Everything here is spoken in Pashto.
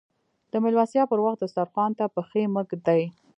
د ميلمستيا پر وخت دسترخوان ته پښې مه ږدئ.